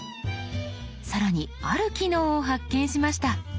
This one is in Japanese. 更にある機能を発見しました。